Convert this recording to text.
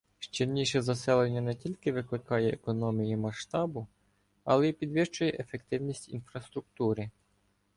Щільніше заселення не тільки викликає економію масштабу, але і підвищує ефективність інфраструктури.